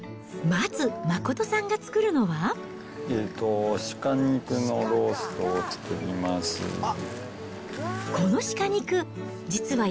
まず、真さんが作るのは。